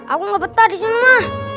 aku gak betah disini mah